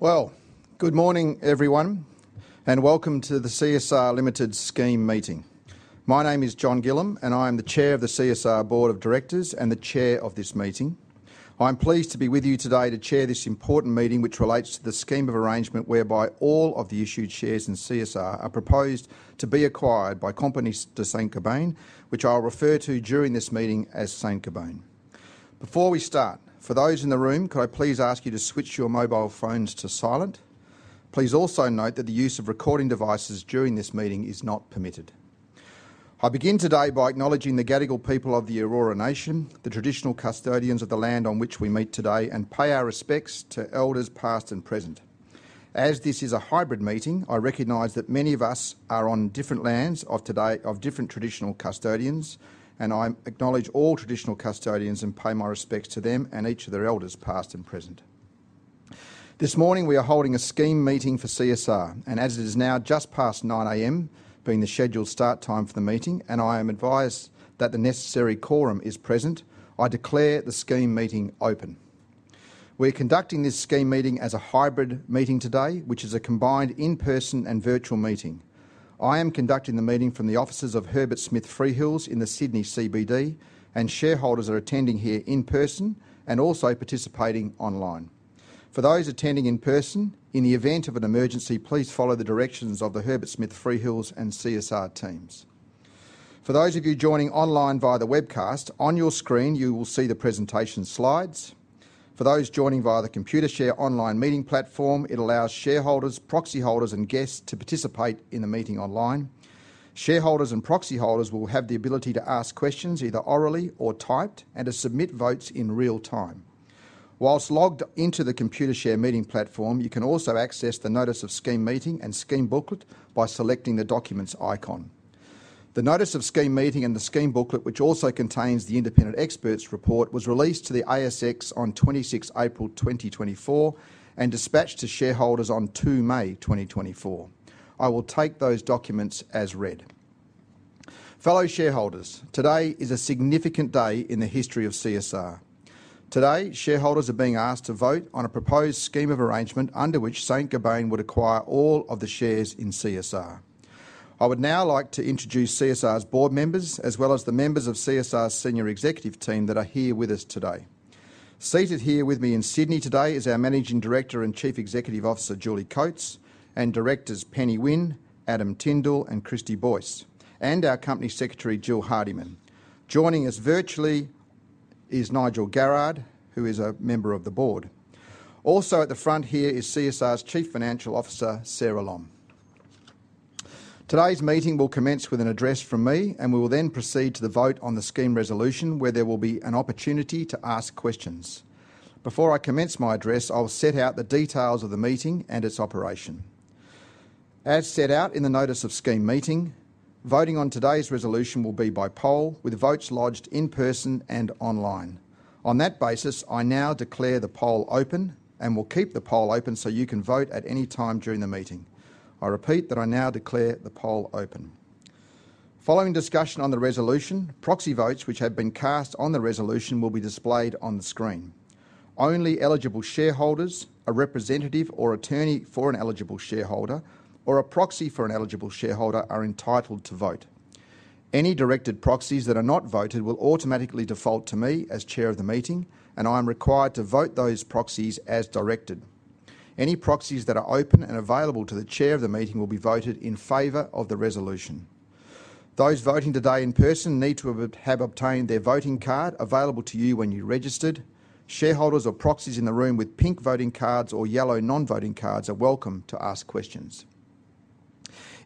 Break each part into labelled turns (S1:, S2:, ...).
S1: Well, good morning, everyone, and welcome to the CSR Limited Scheme meeting. My name is John Gillam, and I am the Chair of the CSR Board of Directors and the Chair of this meeting. I'm pleased to be with you today to chair this important meeting which relates to the scheme of arrangement whereby all of the issued shares in CSR are proposed to be acquired by Compagnie de Saint-Gobain, which I'll refer to during this meeting as Saint-Gobain. Before we start, for those in the room, could I please ask you to switch your mobile phones to silent? Please also note that the use of recording devices during this meeting is not permitted. I begin today by acknowledging the Gadigal people of the Eora Nation, the traditional custodians of the land on which we meet today, and pay our respects to elders past and present. As this is a hybrid meeting, I recognize that many of us are on different lands of different traditional custodians, and I acknowledge all traditional custodians and pay my respects to them and each of their elders past and present. This morning, we are holding a scheme meeting for CSR, and as it is now just past 9:00 A.M., being the scheduled start time for the meeting, and I am advised that the necessary quorum is present, I declare the scheme meeting open. We're conducting this scheme meeting as a hybrid meeting today, which is a combined in-person and virtual meeting. I am conducting the meeting from the offices of Herbert Smith Freehills in the Sydney CBD, and shareholders are attending here in person and also participating online. For those attending in person, in the event of an emergency, please follow the directions of the Herbert Smith Freehills and CSR teams. For those of you joining online via the webcast, on your screen, you will see the presentation slides. For those joining via the Computershare online meeting platform, it allows shareholders, proxy holders, and guests to participate in the meeting online. Shareholders and proxy holders will have the ability to ask questions either orally or typed and to submit votes in real time. While logged into the Computershare meeting platform, you can also access the Notice of Scheme Meeting and Scheme Booklet by selecting the documents icon. The Notice of Scheme Meeting and the Scheme Booklet, which also contains the independent experts' report, was released to the ASX on 26 April 2024 and dispatched to shareholders on 2 May 2024. I will take those documents as read. Fellow shareholders, today is a significant day in the history of CSR. Today, shareholders are being asked to vote on a proposed scheme of arrangement under which Saint-Gobain would acquire all of the shares in CSR. I would now like to introduce CSR's board members as well as the members of CSR's senior executive team that are here with us today. Seated here with me in Sydney today is our Managing Director and Chief Executive Officer, Julie Coates, and Directors, Penny Winn, Adam Tindall, and Christy Boyce, and our Company Secretary, Jill Hardiman. Joining us virtually is Nigel Garrard, who is a member of the board. Also at the front here is CSR's Chief Financial Officer, Sara Lom. Today's meeting will commence with an address from me, and we will then proceed to the vote on the scheme resolution, where there will be an opportunity to ask questions. Before I commence my address, I will set out the details of the meeting and its operation. As set out in the Notice of Scheme Meeting, voting on today's resolution will be by poll, with votes lodged in person and online. On that basis, I now declare the poll open and will keep the poll open so you can vote at any time during the meeting. I repeat that I now declare the poll open. Following discussion on the resolution, proxy votes which have been cast on the resolution will be displayed on the screen. Only eligible shareholders, a representative or attorney for an eligible shareholder, or a proxy for an eligible shareholder are entitled to vote. Any directed proxies that are not voted will automatically default to me as Chair of the meeting, and I am required to vote those proxies as directed. Any proxies that are open and available to the Chair of the meeting will be voted in favor of the resolution. Those voting today in person need to have obtained their voting card available to you when you registered. Shareholders or proxies in the room with pink voting cards or yellow non-voting cards are welcome to ask questions.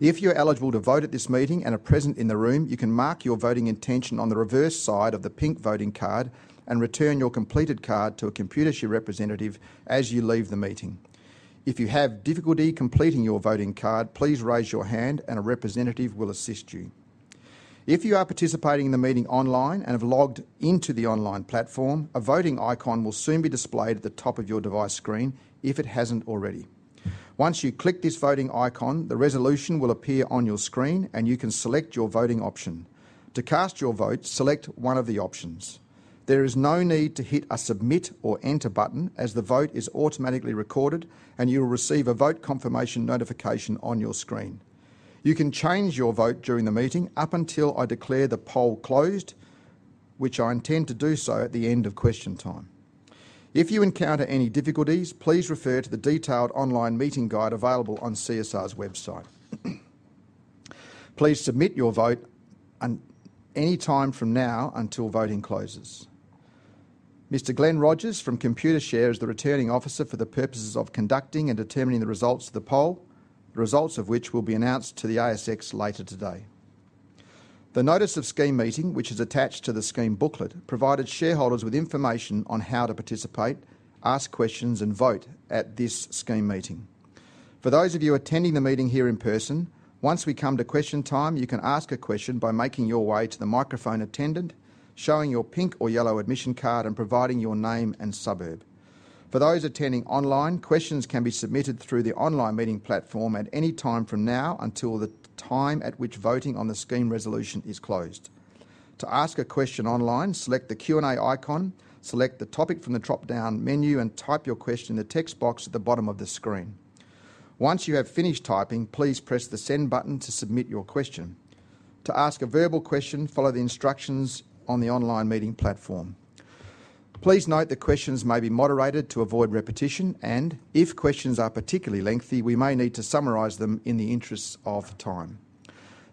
S1: If you are eligible to vote at this meeting and are present in the room, you can mark your voting intention on the reverse side of the pink voting card and return your completed card to a Computershare representative as you leave the meeting. If you have difficulty completing your voting card, please raise your hand and a representative will assist you. If you are participating in the meeting online and have logged into the online platform, a voting icon will soon be displayed at the top of your device screen if it hasn't already. Once you click this voting icon, the resolution will appear on your screen and you can select your voting option. To cast your vote, select one of the options. There is no need to hit a submit or enter button as the vote is automatically recorded and you will receive a vote confirmation notification on your screen. You can change your vote during the meeting up until I declare the poll closed, which I intend to do so at the end of question time. If you encounter any difficulties, please refer to the detailed online meeting guide available on CSR's website. Please submit your vote any time from now until voting closes. Mr. Glenn Rogers from Computershare is the returning officer for the purposes of conducting and determining the results of the poll, the results of which will be announced to the ASX later today. The Notice of Scheme Meeting, which is attached to the Scheme Booklet, provided shareholders with information on how to participate, ask questions, and vote at this scheme meeting. For those of you attending the meeting here in person, once we come to question time, you can ask a question by making your way to the microphone attendant, showing your pink or yellow admission card, and providing your name and suburb. For those attending online, questions can be submitted through the online meeting platform at any time from now until the time at which voting on the scheme resolution is closed. To ask a question online, select the Q&A icon, select the topic from the drop-down menu, and type your question in the text box at the bottom of the screen. Once you have finished typing, please press the send button to submit your question. To ask a verbal question, follow the instructions on the online meeting platform. Please note that questions may be moderated to avoid repetition, and if questions are particularly lengthy, we may need to summarize them in the interest of time.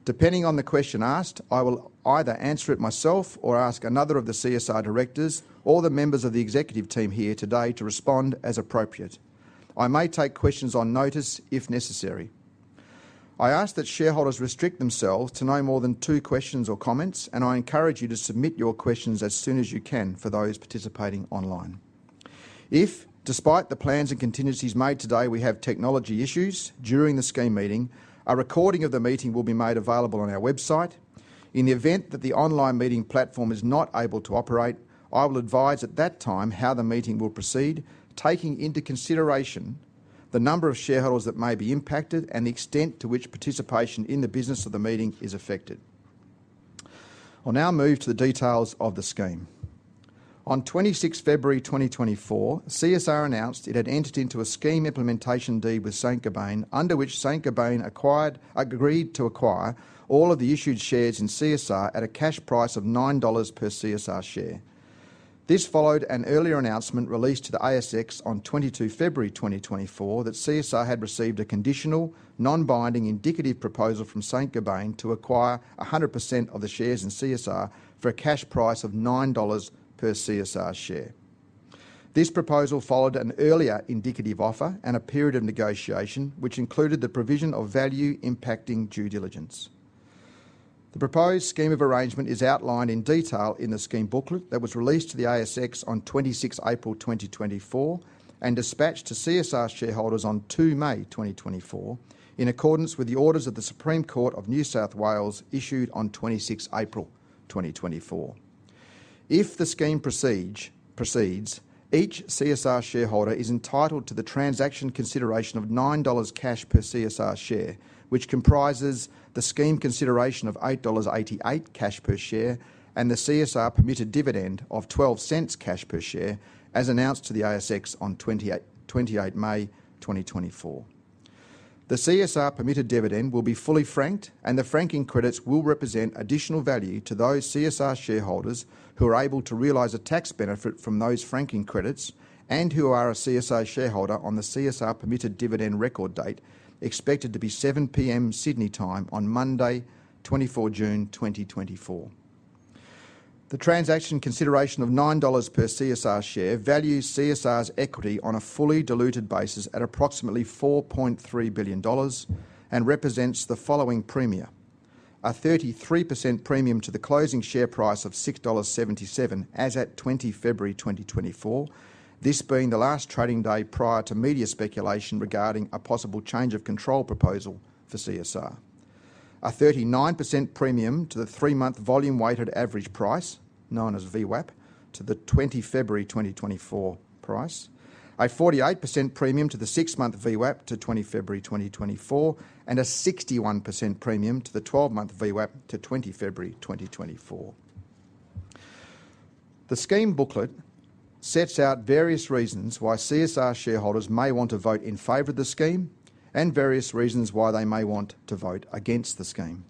S1: Depending on the question asked, I will either answer it myself or ask another of the CSR directors or the members of the executive team here today to respond as appropriate. I may take questions on notice if necessary. I ask that shareholders restrict themselves to no more than two questions or comments, and I encourage you to submit your questions as soon as you can for those participating online. If, despite the plans and contingencies made today, we have technology issues during the scheme meeting, a recording of the meeting will be made available on our website. In the event that the online meeting platform is not able to operate, I will advise at that time how the meeting will proceed, taking into consideration the number of shareholders that may be impacted and the extent to which participation in the business of the meeting is affected. I'll now move to the details of the scheme. On 26 February 2024, CSR announced it had entered into a scheme implementation deed with Saint-Gobain, under which Saint-Gobain agreed to acquire all of the issued shares in CSR at a cash price of 9 dollars per CSR share. This followed an earlier announcement released to the ASX on 22 February 2024 that CSR had received a conditional, non-binding indicative proposal from Saint-Gobain to acquire 100% of the shares in CSR for a cash price of 9 dollars per CSR share. This proposal followed an earlier indicative offer and a period of negotiation, which included the provision of value-impacting due diligence. The proposed scheme of arrangement is outlined in detail in the Scheme Booklet that was released to the ASX on 26 April 2024 and dispatched to CSR shareholders on 2 May 2024, in accordance with the orders of the Supreme Court of New South Wales issued on 26 April 2024. If the scheme proceeds, each CSR shareholder is entitled to the transaction consideration of 9 dollars cash per CSR share, which comprises the scheme consideration of 8.88 dollars cash per share and the CSR permitted dividend of 0.12 cash per share, as announced to the ASX on 28 May 2024. The CSR permitted dividend will be fully franked, and the franking credits will represent additional value to those CSR shareholders who are able to realize a tax benefit from those franking credits and who are a CSR shareholder on the CSR permitted dividend record date expected to be 7:00 P.M. Sydney time on Monday, 24 June 2024. The transaction consideration of 9 dollars per CSR share values CSR's equity on a fully diluted basis at approximately 4.3 billion dollars and represents the following premium: a 33% premium to the closing share price of 6.77 dollars as at 20 February 2024, this being the last trading day prior to media speculation regarding a possible change of control proposal for CSR, a 39% premium to the three-month volume-weighted average price, known as VWAP, to the 20 February 2024 price, a 48% premium to the six-month VWAP to 20 February 2024, and a 61% premium to the 12-month VWAP to 20 February 2024. The Scheme Booklet sets out various reasons why CSR shareholders may want to vote in favor of the scheme and various reasons why they may want to vote against the scheme.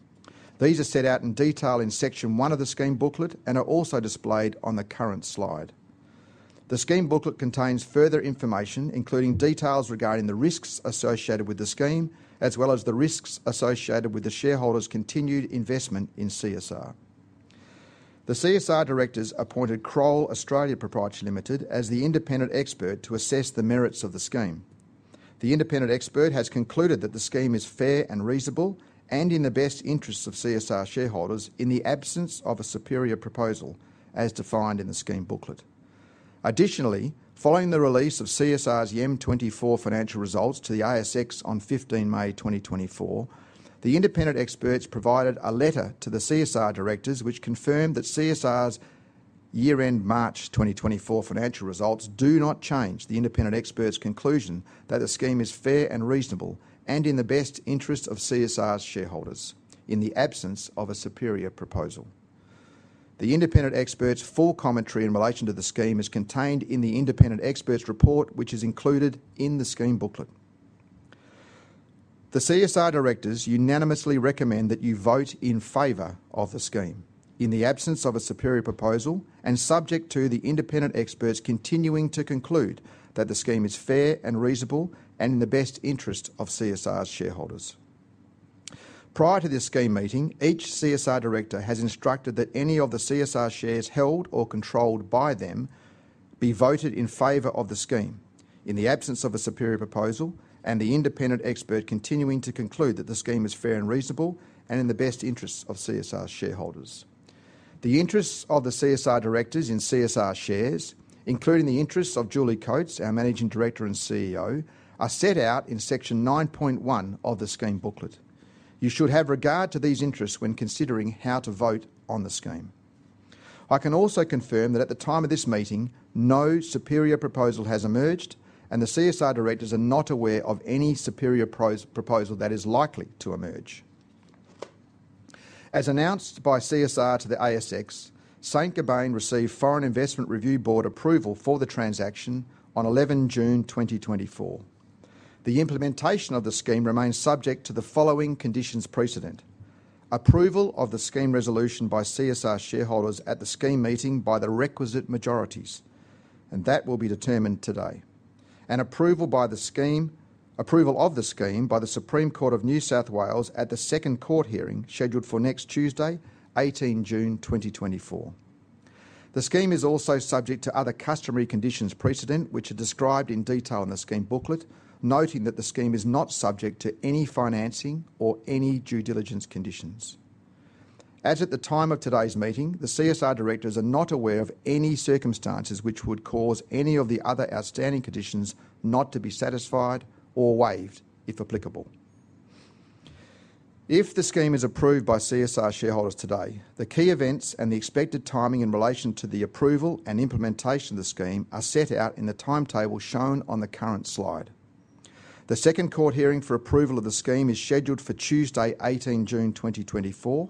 S1: These are set out in detail in Section 1 of the Scheme Booklet and are also displayed on the current slide. The Scheme Booklet contains further information, including details regarding the risks associated with the scheme, as well as the risks associated with the shareholders' continued investment in CSR. The CSR directors appointed Kroll Australia Pty Ltd as the independent expert to assess the merits of the scheme. The independent expert has concluded that the scheme is fair and reasonable and in the best interests of CSR shareholders in the absence of a superior proposal, as defined in the Scheme Booklet. Additionally, following the release of CSR's YEM24 financial results to the ASX on 15 May 2024, the independent experts provided a letter to the CSR directors, which confirmed that CSR's year-end March 2024 financial results do not change the independent experts' conclusion that the scheme is fair and reasonable and in the best interest of CSR's shareholders in the absence of a superior proposal. The independent experts' full commentary in relation to the scheme is contained in the independent experts' report, which is included in the Scheme Booklet. The CSR directors unanimously recommend that you vote in favor of the scheme in the absence of a superior proposal and subject to the independent experts continuing to conclude that the scheme is fair and reasonable and in the best interest of CSR's shareholders. Prior to this scheme meeting, each CSR director has instructed that any of the CSR shares held or controlled by them be voted in favor of the scheme in the absence of a superior proposal and the independent expert continuing to conclude that the scheme is fair and reasonable and in the best interests of CSR's shareholders. The interests of the CSR directors in CSR shares, including the interests of Julie Coates, our Managing Director and CEO, are set out in Section 9.1 of the Scheme Booklet. You should have regard to these interests when considering how to vote on the scheme. I can also confirm that at the time of this meeting, no superior proposal has emerged, and the CSR directors are not aware of any superior proposal that is likely to emerge. As announced by CSR to the ASX, Saint-Gobain received Foreign Investment Review Board approval for the transaction on 11 June 2024. The implementation of the scheme remains subject to the following conditions precedent: approval of the scheme resolution by CSR shareholders at the scheme meeting by the requisite majorities, and that will be determined today, and approval of the scheme by the Supreme Court of New South Wales at the second court hearing scheduled for next Tuesday, 18 June 2024. The scheme is also subject to other customary conditions precedent, which are described in detail in the Scheme Booklet, noting that the scheme is not subject to any financing or any due diligence conditions. As at the time of today's meeting, the CSR directors are not aware of any circumstances which would cause any of the other outstanding conditions not to be satisfied or waived, if applicable. If the scheme is approved by CSR shareholders today, the key events and the expected timing in relation to the approval and implementation of the scheme are set out in the timetable shown on the current slide. The second court hearing for approval of the scheme is scheduled for Tuesday, 18 June 2024.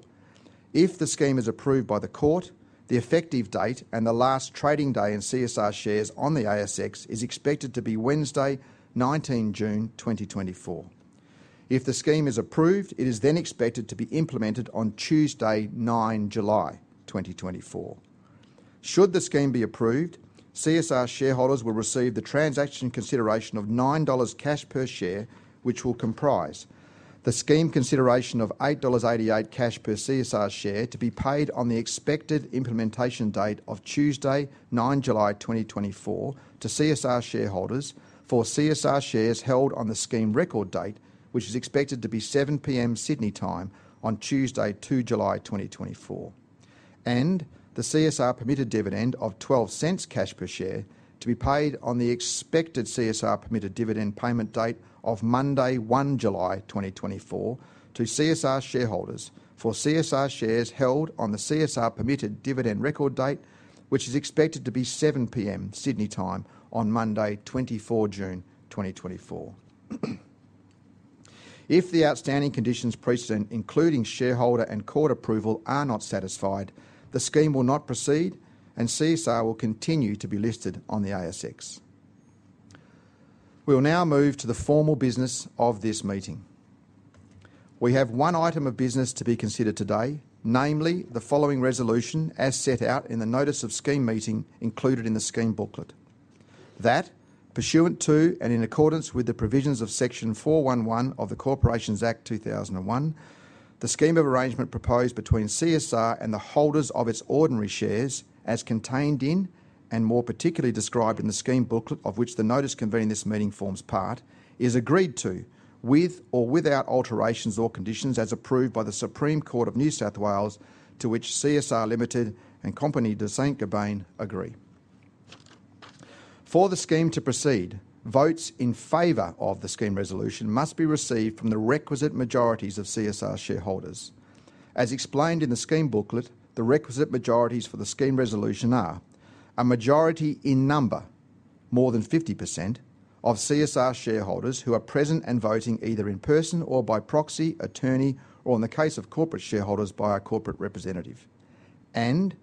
S1: If the scheme is approved by the court, the effective date and the last trading day in CSR shares on the ASX is expected to be Wednesday, 19 June 2024. If the scheme is approved, it is then expected to be implemented on Tuesday, 9 July 2024. Should the scheme be approved, CSR shareholders will receive the transaction consideration of 9 dollars cash per share, which will comprise the scheme consideration of 8.88 dollars cash per CSR share to be paid on the expected implementation date of Tuesday, 9 July 2024, to CSR shareholders for CSR shares held on the scheme record date, which is expected to be 7:00 P.M. Sydney time on Tuesday, 2 July 2024, and the CSR permitted dividend of 0.12 cash per share to be paid on the expected CSR permitted dividend payment date of Monday, 1 July 2024, to CSR shareholders for CSR shares held on the CSR permitted dividend record date, which is expected to be 7:00 P.M. Sydney time on Monday, 24 June 2024. If the outstanding conditions precedent, including shareholder and court approval, are not satisfied, the scheme will not proceed and CSR will continue to be listed on the ASX. We will now move to the formal business of this meeting. We have one item of business to be considered today, namely the following resolution as set out in the Notice of Scheme Meeting included in the Scheme Booklet: that, pursuant to and in accordance with the provisions of Section 411 of the Corporations Act 2001, the scheme of arrangement proposed between CSR and the holders of its ordinary shares, as contained in and more particularly described in the Scheme Booklet of which the Notice convening this meeting forms part, is agreed to with or without alterations or conditions as approved by the Supreme Court of New South Wales, to which CSR Limited and Compagnie de Saint-Gobain agree. For the scheme to proceed, votes in favor of the scheme resolution must be received from the requisite majorities of CSR shareholders. As explained in the Scheme Booklet, the requisite majorities for the scheme resolution are: a majority in number, more than 50%, of CSR shareholders who are present and voting either in person or by proxy, attorney, or in the case of corporate shareholders by a corporate representative, and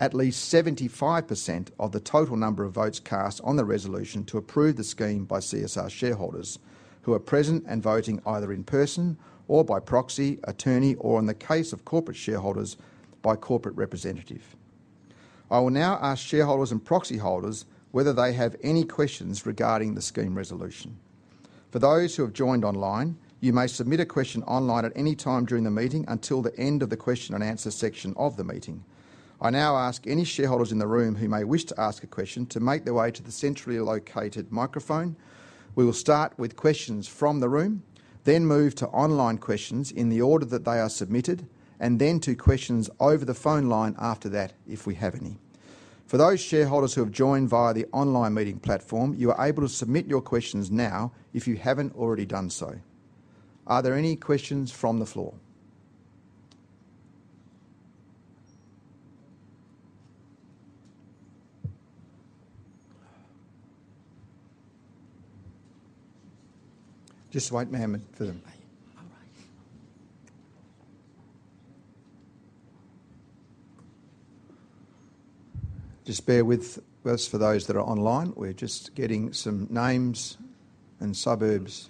S1: at least 75% of the total number of votes cast on the resolution to approve the scheme by CSR shareholders who are present and voting either in person or by proxy, attorney, or in the case of corporate shareholders by corporate representative. I will now ask shareholders and proxy holders whether they have any questions regarding the scheme resolution. For those who have joined online, you may submit a question online at any time during the meeting until the end of the question-and-answer section of the meeting. I now ask any shareholders in the room who may wish to ask a question to make their way to the centrally located microphone. We will start with questions from the room, then move to online questions in the order that they are submitted, and then to questions over the phone line after that if we have any. For those shareholders who have joined via the online meeting platform, you are able to submit your questions now if you haven't already done so. Are there any questions from the floor? Just wait a moment for them. Just bear with us for those that are online. We're just getting some names and suburbs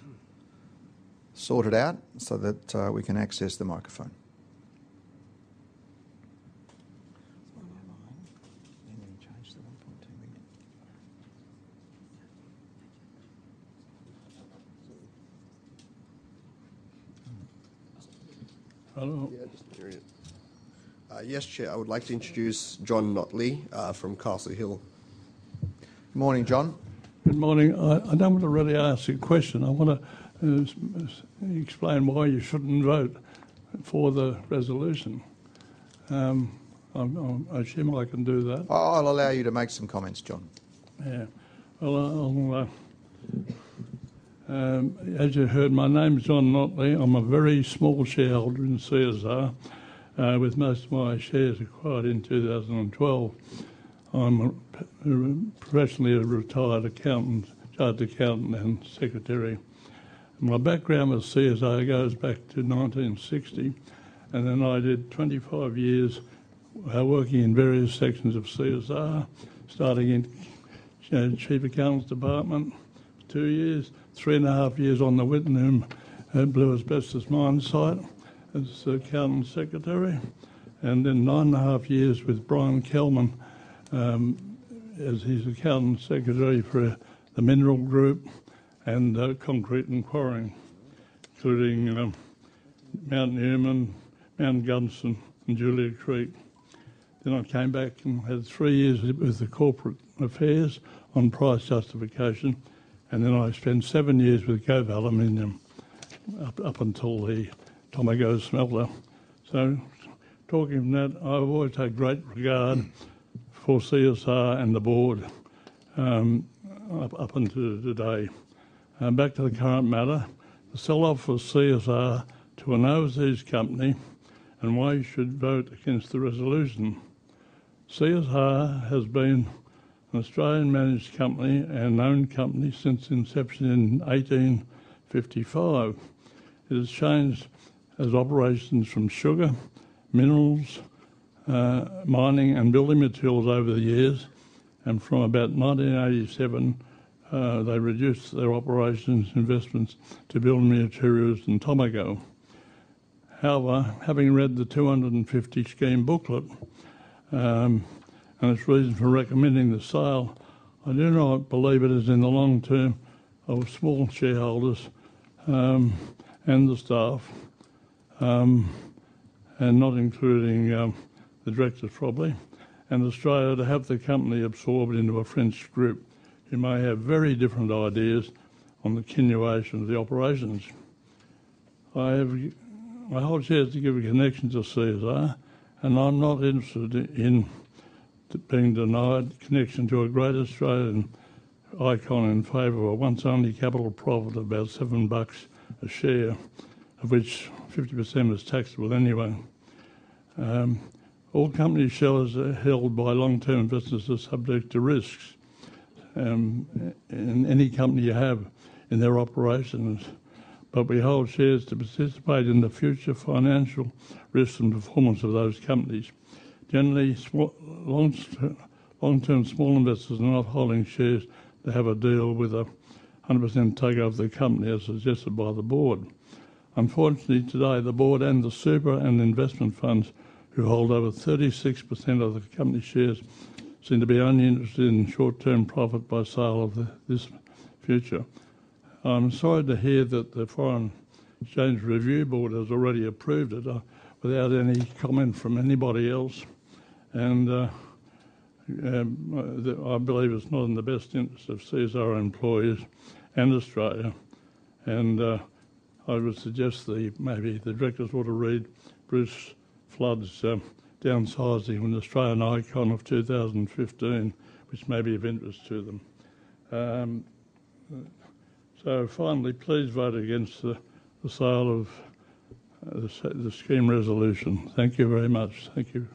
S1: sorted out so that we can access the microphone.
S2: Yes, Chair. I would like to introduce John Notley from Castle Hill. Good morning, John.
S3: Good morning. I don't want to really ask you a question. I want to explain why you shouldn't vote for the resolution. I assume I can do that. I'll allow you to make some comments, John. Yeah. As you heard, my name is John Notley. I'm a very small shareholder in CSR, with most of my shares acquired in 2012. I'm a professionally retired accountant, chartered accountant, and secretary. My background with CSR goes back to 1960, and then I did 25 years working in various sections of CSR, starting in the Chief Accountants Department, 2 years, 3.5 years on the Wittenoom Blue Asbestos Mine site as accountant secretary, and then 9.5 years with Brian Kelman as his accountant secretary for the Mineral Group and Concrete and Quarrying, including Mount Newman, Mount Gunson, and Julia Creek. Then I came back and had three years with the corporate affairs on price justification, and then I spent seven years with Gove Aluminium up until the Tomago smelter. So talking of that, I've always had great regard for CSR and the board up until today. Back to the current matter, the selloff of CSR to an overseas company and why you should vote against the resolution. CSR has been an Australian-managed company and known company since inception in 1855. It has changed its operations from sugar, minerals, mining, and building materials over the years, and from about 1987, they reduced their operations investments to building materials and Tomago. However, having read the 250 Scheme Booklet and its reason for recommending the sale, I do not believe it is in the long term of small shareholders and the staff, and not including the directors probably, and Australia to have the company absorbed into a French group who may have very different ideas on the continuation of the operations. I have a whole chance to give a connection to CSR, and I'm not interested in being denied connection to a great Australian icon in favor of a once-only capital profit of about 7 bucks a share, of which 50% is taxable anyway. All company shares held by long-term investors are subject to risks in any company you have in their operations, but we hold shares to participate in the future financial risks and performance of those companies. Generally, long-term small investors are not holding shares to have a deal with a 100% takeover of the company as suggested by the board. Unfortunately, today, the board and the super and investment funds who hold over 36% of the company shares seem to be only interested in short-term profit by sale of this future. I'm sorry to hear that the Foreign Exchange Review Board has already approved it without any comment from anybody else, and I believe it's not in the best interest of CSR employees and Australia. I would suggest that maybe the directors ought to read Bruce Ford's *Downsizing of an Australian Icon* of 2015, which may be of interest to them. So finally, please vote against the sale of the scheme resolution. Thank you very much. Thank you.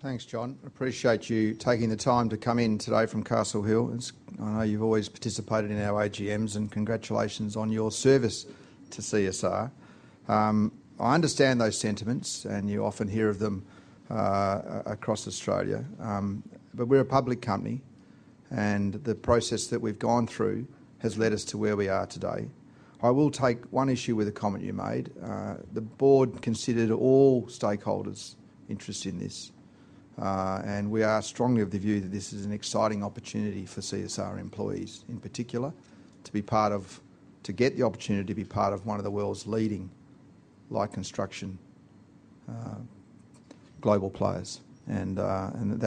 S1: Thanks, John. Appreciate you taking the time to come in today from Castle Hill. I know you've always participated in our AGMs, and congratulations on your service to CSR. I understand those sentiments, and you often hear of them across Australia, but we're a public company, and the process that we've gone through has led us to where we are today. I will take one issue with the comment you made. The board considered all stakeholders' interest in this, and we are strongly of the view that this is an exciting opportunity for CSR employees in particular to be part of, to get the opportunity to be part of one of the world's leading light construction global players. And I think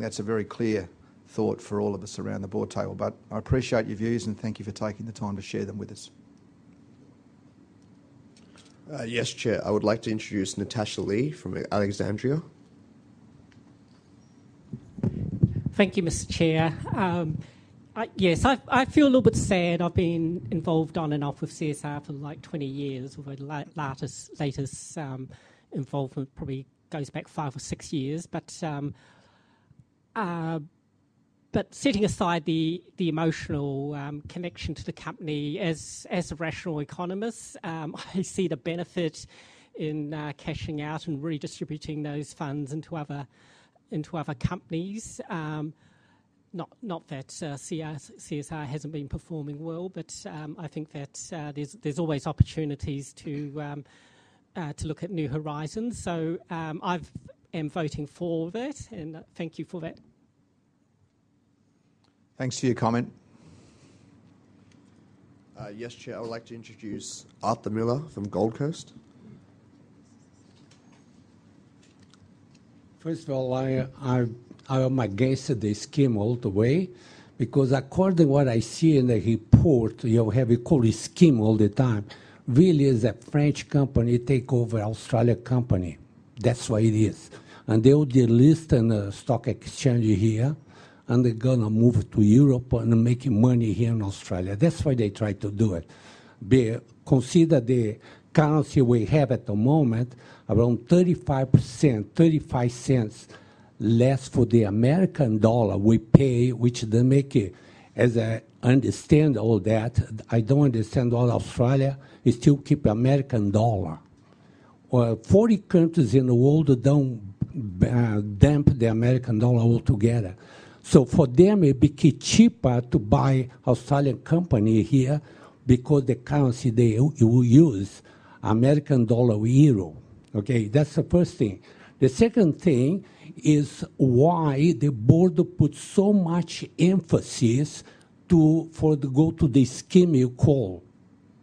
S1: that's a very clear thought for all of us around the board table, but I appreciate your views and thank you for taking the time to share them with us. Yes, Chair. I would like to introduce Natasha Lee from Alexandria.
S4: Thank you, Mr. Chair. Yes, I feel a little bit sad. I've been involved on and off with CSR for like 20 years. The latest involvement probably goes back 5 or 6 years. But setting aside the emotional connection to the company, as a rational economist, I see the benefit in cashing out and redistributing those funds into other companies. Not that CSR hasn't been performing well, but I think that there's always opportunities to look at new horizons. So I am voting for that, and thank you for that.
S1: Thanks for your comment.
S2: Yes, Chair. I would like to introduce Arthur Miller from Gold Coast.
S5: First of all, I am against the scheme all the way because according to what I see in the report, you have a cool scheme all the time. Really, it's a French company taking over an Australian company. That's why it is. And they'll delist on the stock exchange here, and they're going to move to Europe and make money here in Australia. That's why they try to do it. Consider the currency we have at the moment, around 35%, $0.35 less for the American dollar we pay, which they make it as I understand all that. I don't understand why Australia still keeps the American dollar. 40 countries in the world don't dump the American dollar altogether. So for them, it became cheaper to buy an Australian company here because the currency they will use is the American dollar euro. Okay? That's the first thing. The second thing is why the board put so much emphasis for the goal to the scheme you call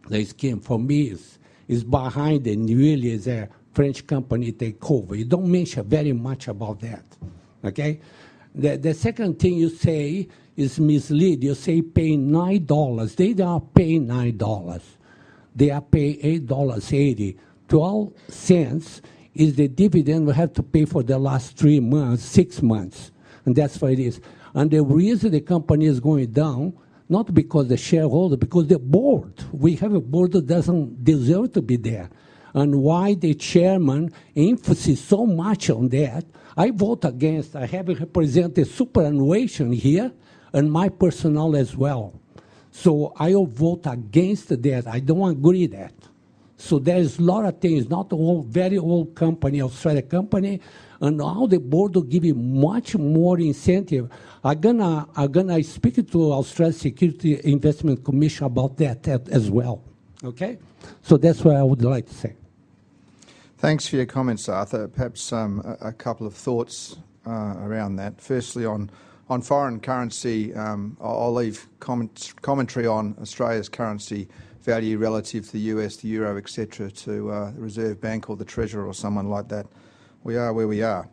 S5: the scheme for me is behind and really is a French company takeover. You don't mention very much about that. Okay? The second thing you say is misleading. You say paying 9 dollars. They are paying 9 dollars. They are paying 8.80 dollars. 0.12 is the dividend we have to pay for the last three months, six months. And that's what it is. And the reason the company is going down, not because the shareholder, because the board. We have a board that doesn't deserve to be there. And why the chairman emphasized so much on that? I vote against. I have represented superannuation here and my personal as well. So I will vote against that. I don't agree with that. So there's a lot of things, not all very old company, Australian company, and now the board will give you much more incentive. I'm going to speak to the Australian Securities and Investments Commission about that as well. Okay? So that's what I would like to say.
S1: Thanks for your comments, Arthur. Perhaps a couple of thoughts around that. Firstly, on foreign currency, I'll leave commentary on Australia's currency value relative to the US, the euro, etc., to the Reserve Bank or the Treasury or someone like that. We are where we are.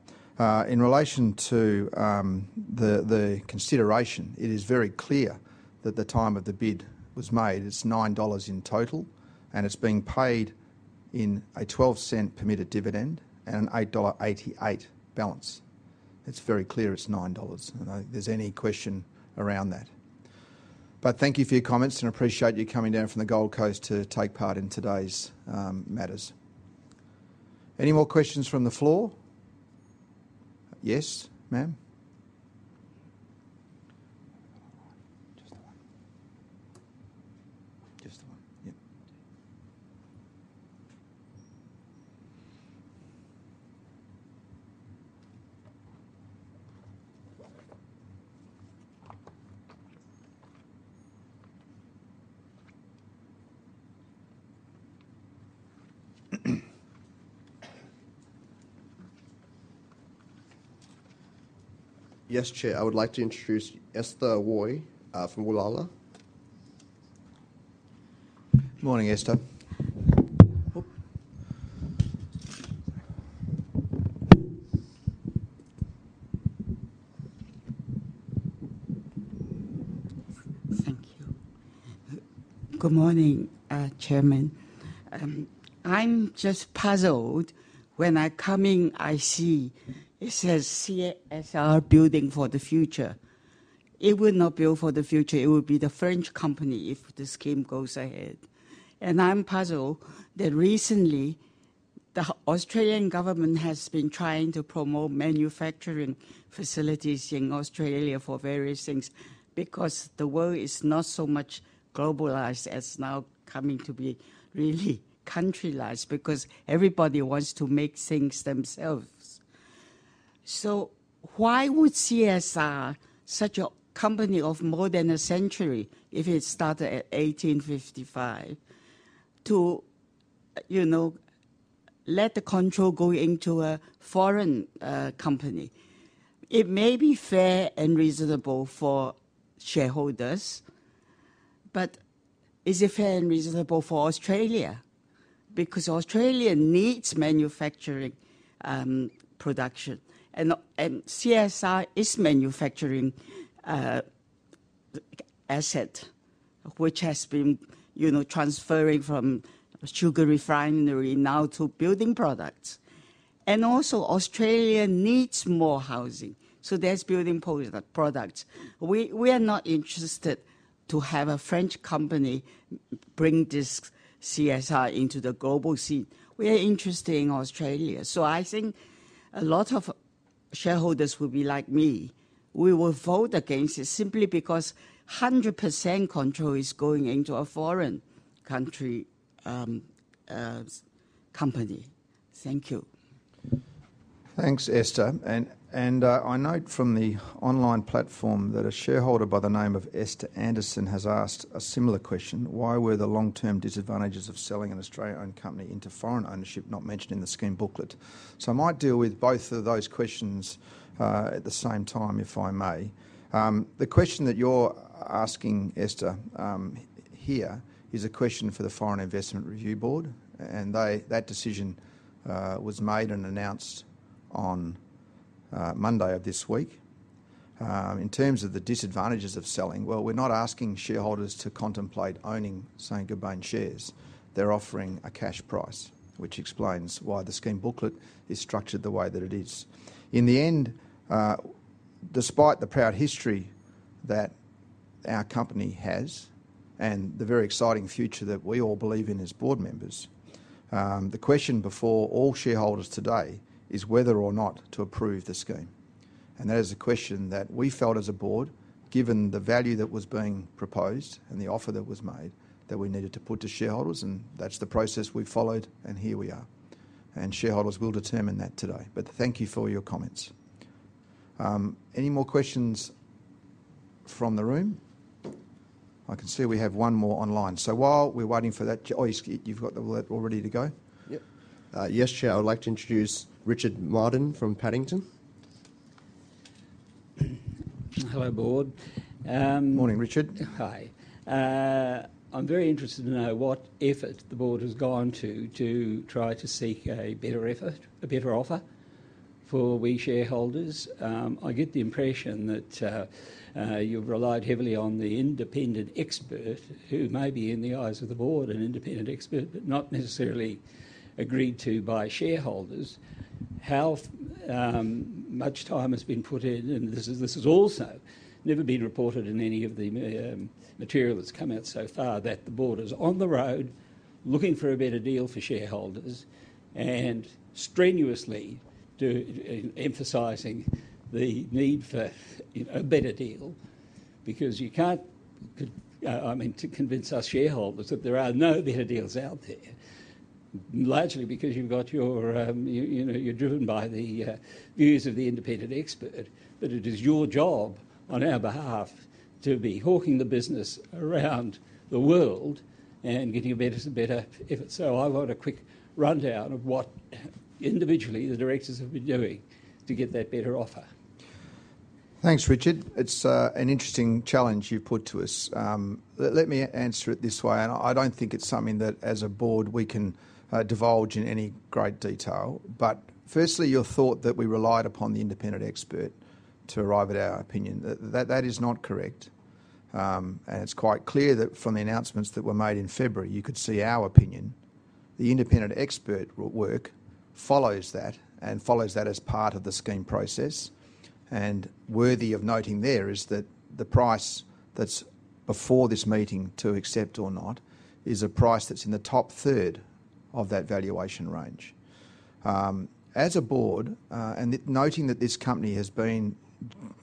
S1: In relation to the consideration, it is very clear that the time of the bid was made. It's 9 dollars in total, and it's being paid in an 0.12 permitted dividend and an 8.88 dollar balance. It's very clear it's 9 dollars. There's any question around that. But thank you for your comments and appreciate you coming down from the Gold Coast to take part in today's matters. Any more questions from the floor? Yes, ma'am? Just one. Yes, Chair.
S2: I would like to introduce Esther Woy from Woollahra.
S1: Good morning, Esther.
S6: Thank you. Good morning, Chairman. I'm just puzzled when I come in. I see it says CSR Building for the Future. It will not be all for the future. It will be the French company if the scheme goes ahead. And I'm puzzled that recently the Australian government has been trying to promote manufacturing facilities in Australia for various things because the world is not so much globalized as now coming to be really countrylized because everybody wants to make things themselves. So why would CSR, such a company of more than a century if it started at 1855, let the control go into a foreign company? It may be fair and reasonable for shareholders, but is it fair and reasonable for Australia? Because Australia needs manufacturing production, and CSR is manufacturing asset, which has been transferring from sugar refinery now to building products. And also, Australia needs more housing, so there's building products. We are not interested to have a French company bring this CSR into the global scene. We are interested in Australia. So I think a lot of shareholders will be like me. We will vote against it simply because 100% control is going into a foreign country company. Thank you.
S1: Thanks, Esther. And I note from the online platform that a shareholder by the name of Esther Anderson has asked a similar question. Why were the long-term disadvantages of selling an Australian-owned company into foreign ownership not mentioned in the scheme booklet? So I might deal with both of those questions at the same time if I may. The question that you're asking, Esther, here is a question for the Foreign Investment Review Board, and that decision was made and announced on Monday of this week. In terms of the disadvantages of selling, well, we're not asking shareholders to contemplate owning Saint-Gobain shares. They're offering a cash price, which explains why the Scheme Booklet is structured the way that it is. In the end, despite the proud history that our company has and the very exciting future that we all believe in as board members, the question before all shareholders today is whether or not to approve the scheme. That is a question that we felt as a board, given the value that was being proposed and the offer that was made, that we needed to put to shareholders, and that's the process we followed, and here we are. Shareholders will determine that today. But thank you for your comments. Any more questions from the room? I can see we have one more online. So while we're waiting for that, Joyce, you've got the word all ready to go? Yep.
S2: Yes, Chair. I would like to introduce Richard Marden from Paddington.
S7: Hello, board. Morning, Richard. Hi. I'm very interested to know what effort the board has gone to to try to seek a better effort, a better offer for we shareholders. I get the impression that you've relied heavily on the independent expert who may be in the eyes of the board, an independent expert, but not necessarily agreed to by shareholders. How much time has been put in, and this has also never been reported in any of the material that's come out so far that the board is on the road looking for a better deal for shareholders and strenuously emphasizing the need for a better deal because you can't, I mean, convince us shareholders that there are no better deals out there, largely because you're driven by the views of the independent expert, that it is your job on our behalf to be hawking the business around the world and getting a better and better effort. So I want a quick rundown of what individually the directors have been doing to get that better offer.
S1: Thanks, Richard. It's an interesting challenge you've put to us. Let me answer it this way, and I don't think it's something that as a board we can divulge in any great detail. But firstly, your thought that we relied upon the independent expert to arrive at our opinion, that is not correct. And it's quite clear that from the announcements that were made in February, you could see our opinion. The independent expert work follows that and follows that as part of the scheme process. And worthy of noting there is that the price that's before this meeting to accept or not is a price that's in the top third of that valuation range. As a board, and noting that this company has been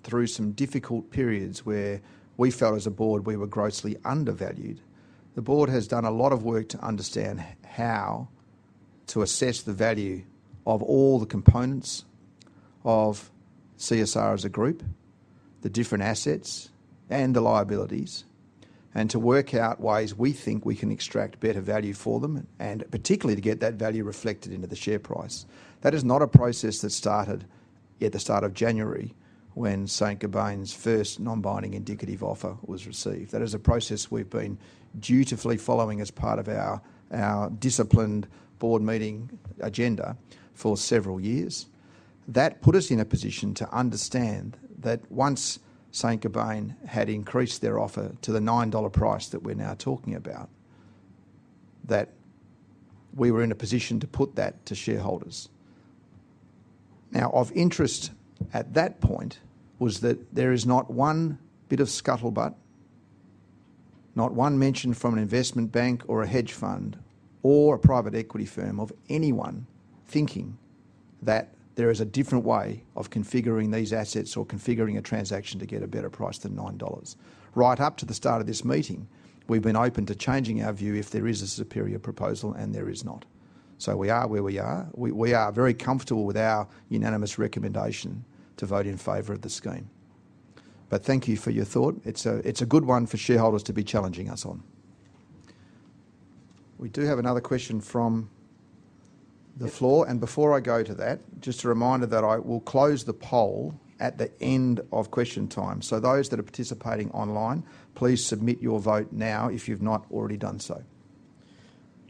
S1: through some difficult periods where we felt as a board we were grossly undervalued, the board has done a lot of work to understand how to assess the value of all the components of CSR as a group, the different assets and the liabilities, and to work out ways we think we can extract better value for them and particularly to get that value reflected into the share price. That is not a process that started at the start of January when Saint-Gobain's first non-binding indicative offer was received. That is a process we've been dutifully following as part of our disciplined board meeting agenda for several years. That put us in a position to understand that once Saint-Gobain had increased their offer to the 9 dollar price that we're now talking about, that we were in a position to put that to shareholders. Now, of interest at that point was that there is not one bit of scuttlebutt, not one mention from an investment bank or a hedge fund or a private equity firm of anyone thinking that there is a different way of configuring these assets or configuring a transaction to get a better price than 9 dollars. Right up to the start of this meeting, we've been open to changing our view if there is a superior proposal and there is not. So we are where we are. We are very comfortable with our unanimous recommendation to vote in favor of the scheme. But thank you for your thought. It's a good one for shareholders to be challenging us on. We do have another question from the floor. Before I go to that, just a reminder that I will close the poll at the end of question time. Those that are participating online, please submit your vote now if you've not already done so.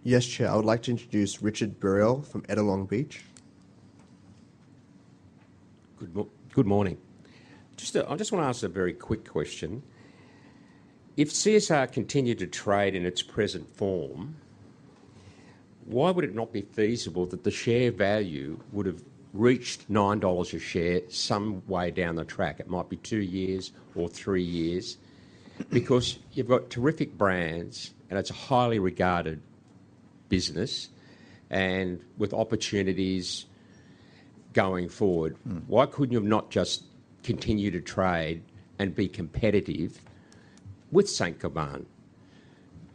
S2: Yes, Chair. I would like to introduce Richard Burrell from Ettalong Beach.
S8: Good morning. I just want to ask a very quick question. If CSR continued to trade in its present form, why would it not be feasible that the share value would have reached 9 dollars a share some way down the track? It might be two years or three years because you've got terrific brands and it's a highly regarded business and with opportunities going forward. Why couldn't you have not just continued to trade and be competitive with Saint-Gobain?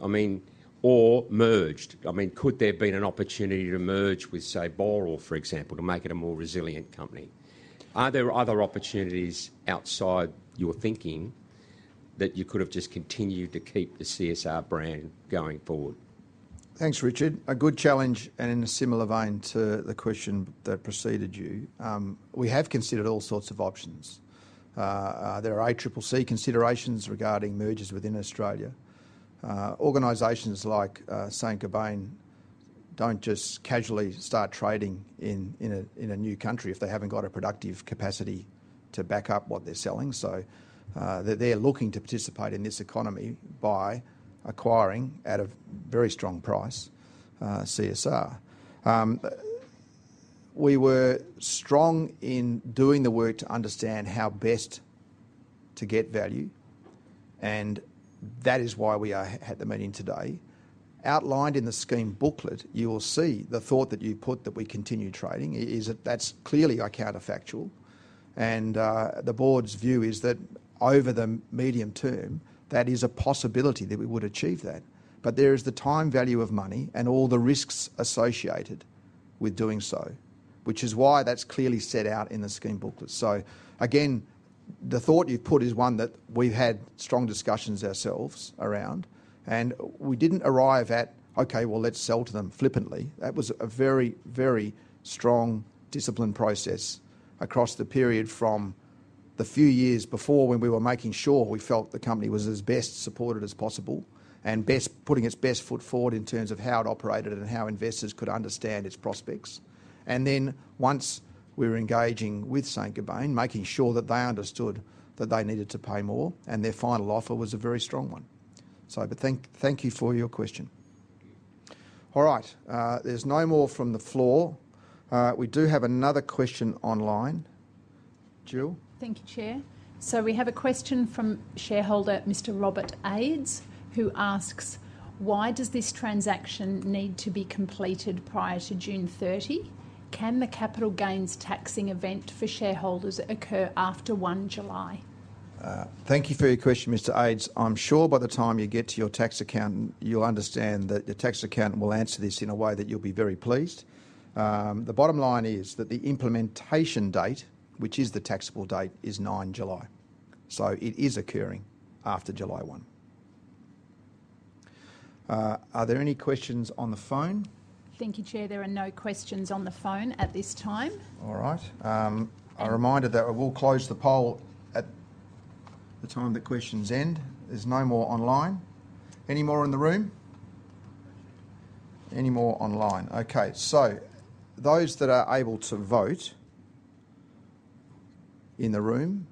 S8: I mean, or merged? I mean, could there have been an opportunity to merge with, say, Boral, for example, to make it a more resilient company? Are there other opportunities outside your thinking that you could have just continued to keep the CSR brand going forward?
S1: Thanks, Richard. A good challenge and in a similar vein to the question that preceded you. We have considered all sorts of options. There are ACCC considerations regarding mergers within Australia. Organizations like Saint-Gobain don't just casually start trading in a new country if they haven't got a productive capacity to back up what they're selling. So they're looking to participate in this economy by acquiring at a very strong price CSR. We were strong in doing the work to understand how best to get value, and that is why we are at the meeting today. Outlined in the Scheme Booklet, you will see the thought that you put that we continue trading is that that's clearly a counterfactual. And the board's view is that over the medium term, that is a possibility that we would achieve that. But there is the time value of money and all the risks associated with doing so, which is why that's clearly set out in the Scheme Booklet. So again, the thought you've put is one that we've had strong discussions ourselves around, and we didn't arrive at, "Okay, well, let's sell to them flippantly." That was a very, very strong discipline process across the period from the few years before when we were making sure we felt the company was as best supported as possible and putting its best foot forward in terms of how it operated and how investors could understand its prospects. And then once we were engaging with Saint-Gobain, making sure that they understood that they needed to pay more and their final offer was a very strong one. So thank you for your question. All right. There's no more from the floor. We do have another question online. Julie?
S9: Thank you, Chair. So we have a question from shareholder Mr. Robert Eades, who asks, "Why does this transaction need to be completed prior to June 30? Can the capital gains taxing event for shareholders occur after 1 July?"
S1: Thank you for your question, Mr. Eades. I'm sure by the time you get to your tax accountant, you'll understand that your tax accountant will answer this in a way that you'll be very pleased. The bottom line is that the implementation date, which is the taxable date, is 9 July. So it is occurring after July 1. Are there any questions on the phone?
S9: Thank you, Chair. There are no questions on the phone at this time.
S1: All right. A reminder that we'll close the poll at the time the questions end. There's no more online. Any more in the room? Any more online? Okay. So those that are able to vote in the room,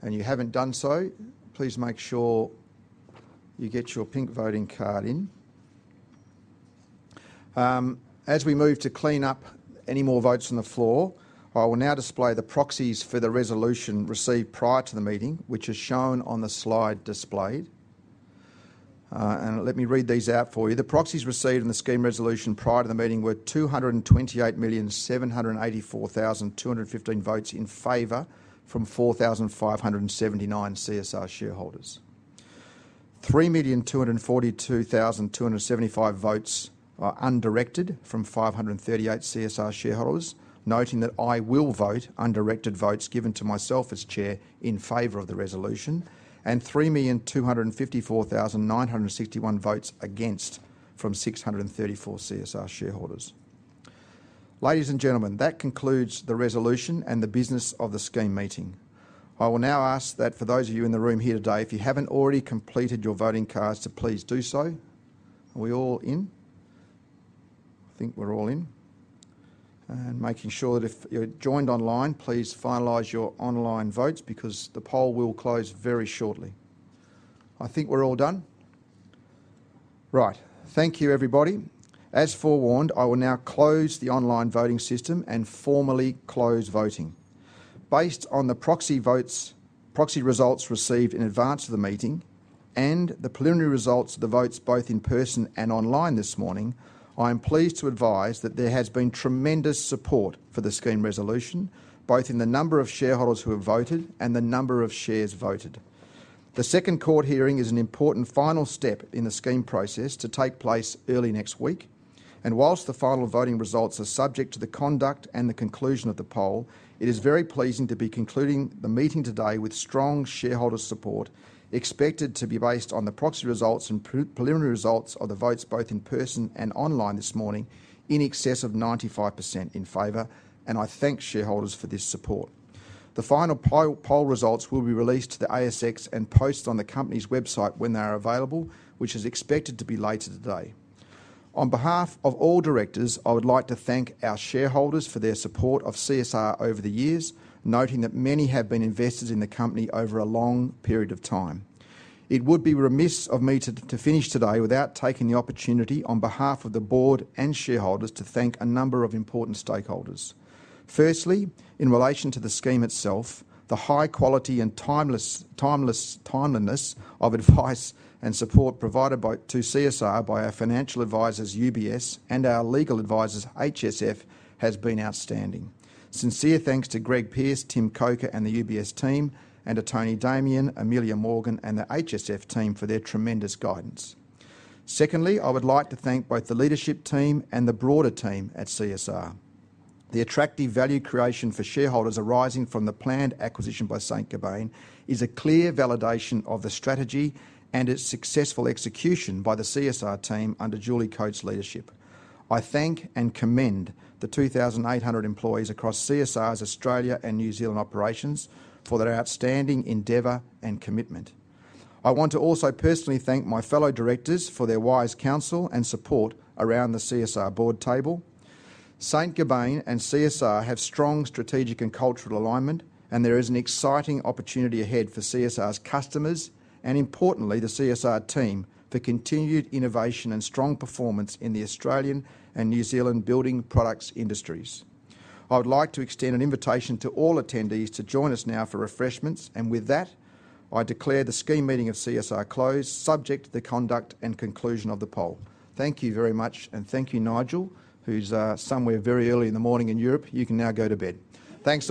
S1: and you haven't done so, please make sure you get your pink voting card in. As we move to clean up any more votes on the floor, I will now display the proxies for the resolution received prior to the meeting, which are shown on the slide displayed. Let me read these out for you. The proxies received in the scheme resolution prior to the meeting were 228,784,215 votes in favor from 4,579 CSR shareholders. 3,242,275 votes are undirected from 538 CSR shareholders, noting that I will vote undirected votes given to myself as chair in favor of the resolution and 3,254,961 votes against from 634 CSR shareholders. Ladies and gentlemen, that concludes the resolution and the business of the scheme meeting. I will now ask that for those of you in the room here today, if you haven't already completed your voting cards, to please do so. Are we all in? I think we're all in. Making sure that if you're joined online, please finalize your online votes because the poll will close very shortly. I think we're all done. Right. Thank you, everybody. As forewarned, I will now close the online voting system and formally close voting. Based on the proxy results received in advance of the meeting and the preliminary results of the votes both in person and online this morning, I am pleased to advise that there has been tremendous support for the scheme resolution, both in the number of shareholders who have voted and the number of shares voted. The second court hearing is an important final step in the scheme process to take place early next week. While the final voting results are subject to the conduct and the conclusion of the poll, it is very pleasing to be concluding the meeting today with strong shareholder support expected to be based on the proxy results and preliminary results of the votes both in person and online this morning in excess of 95% in favour, and I thank shareholders for this support. The final poll results will be released to the ASX and posted on the company's website when they are available, which is expected to be later today. On behalf of all directors, I would like to thank our shareholders for their support of CSR over the years, noting that many have been investors in the company over a long period of time. It would be remiss of me to finish today without taking the opportunity on behalf of the board and shareholders to thank a number of important stakeholders. Firstly, in relation to the scheme itself, the high quality and timeless timeliness of advice and support provided to CSR by our financial advisors, UBS, and our legal advisors, HSF, has been outstanding. Sincere thanks to Greg Pearce, Tim Coker, and the UBS team, and to Tony Damian, Amelia Morgan, and the HSF team for their tremendous guidance. Secondly, I would like to thank both the leadership team and the broader team at CSR. The attractive value creation for shareholders arising from the planned acquisition by Saint-Gobain is a clear validation of the strategy and its successful execution by the CSR team under Julie Coates' leadership. I thank and commend the 2,800 employees across CSR's Australia and New Zealand operations for their outstanding endeavor and commitment. I want to also personally thank my fellow directors for their wise counsel and support around the CSR board table. Saint-Gobain and CSR have strong strategic and cultural alignment, and there is an exciting opportunity ahead for CSR's customers and, importantly, the CSR team for continued innovation and strong performance in the Australian and New Zealand building products industries. I would like to extend an invitation to all attendees to join us now for refreshments, and with that, I declare the scheme meeting of CSR closed, subject to the conduct and conclusion of the poll. Thank you very much, and thank you, Nigel, who's somewhere very early in the morning in Europe. You can now go to bed. Thanks.